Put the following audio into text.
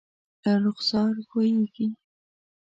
له رخسار ښویېږي